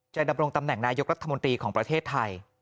ดำรงตำแหน่งนายกรัฐมนตรีของประเทศไทย